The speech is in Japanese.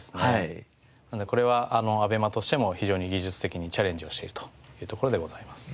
なのでこれはＡＢＥＭＡとしても非常に技術的にチャレンジをしているというところでございます。